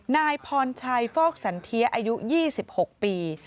นายพรชัยฟอกสันเทียอายุ๒๖ปี